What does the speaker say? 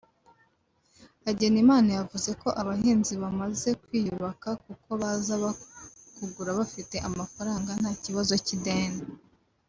Hagenimana yavuze ko “abahinzi bamaze kwiyubaka kuko baza kugura bafite amafaranga nta kibazo cy’ideni